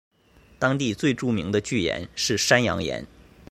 当地最著名的巨岩是山羊岩。